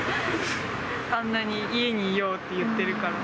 あんなに家にいようって言ってるから。